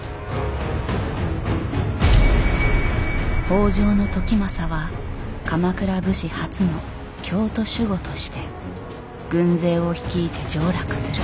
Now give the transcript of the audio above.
北条時政は鎌倉武士初の京都守護として軍勢を率いて上洛する。